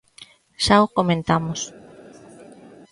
Xa o comentamos.